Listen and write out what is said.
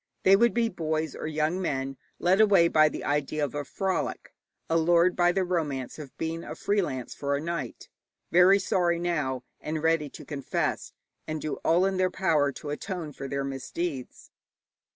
They would be boys or young men led away by the idea of a frolic, allured by the romance of being a free lance for a night, very sorry now, and ready to confess and do all in their power to atone for their misdeeds.